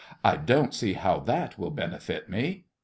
I don't see how that would benefit me.